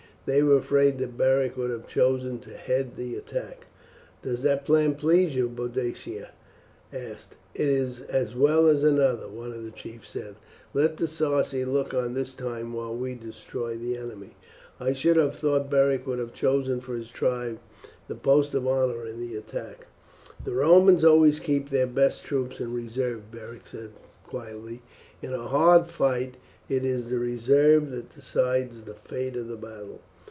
They were afraid that Beric would have chosen to head the attack. "Does that plan please you?" Boadicea asked. "It is as well as another," one of the chiefs said. "Let the Sarci look on this time while we destroy the enemy. I should have thought Beric would have chosen for his tribe the post of honour in the attack." "The Romans always keep their best troops in reserve," Beric said quietly; "in a hard fight it is the reserve that decides the fate of the battle."